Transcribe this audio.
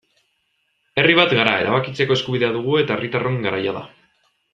Herri bat gara, erabakitzeko eskubidea dugu eta herritarron garaia da.